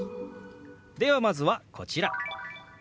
ではまずはこちら。